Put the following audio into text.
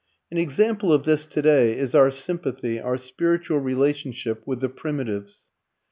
An example of this today is our sympathy, our spiritual relationship, with the Primitives.